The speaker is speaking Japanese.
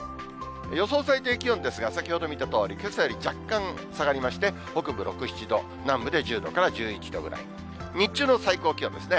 予想最低気温ですが、先ほど見たとおり、けさより若干下がりまして、北部６、７度、南部で１０度から１１度ぐらい、日中の最高気温ですね。